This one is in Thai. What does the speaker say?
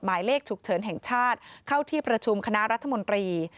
หมายเลขฉุกเฉินแห่งชาติเข้าที่ประชุมคณะรัฐมนตรี